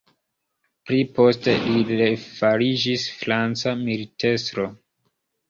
Pliposte, li refariĝis franca militestro.